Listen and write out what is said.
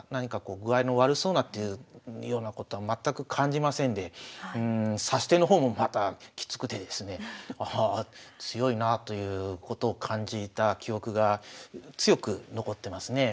具合の悪そうなというようなことは全く感じませんで指し手の方もまたきつくてですねああ強いなということを感じた記憶が強く残ってますね。